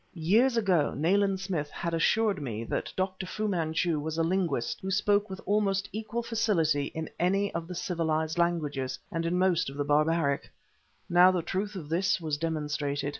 Years ago Nayland Smith had asssure me that Dr. Fu Manchu was a linguist who spoke with almost equal facility in any of th civilized languages and in most of the barbaric; now the truth of this was demonstrated.